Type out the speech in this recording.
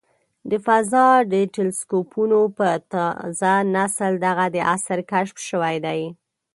د فضا د ټیلسکوپونو په تازه نسل دغه د عصر کشف شوی دی.